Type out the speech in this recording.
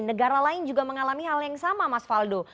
negara lain juga mengalami hal yang sama mas faldo